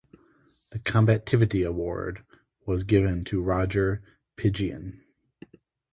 The combativity award was given to Roger Pingeon.